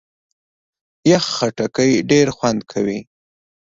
یخ خټکی ډېر خوند کوي.